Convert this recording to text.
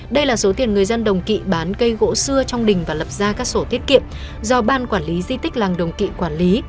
đây là số tiền người dân đồng kỵ bán cây gỗ xưa trong đình và lập ra các sổ tiết kiệm do ban quản lý di tích làng đồng kỵ quản lý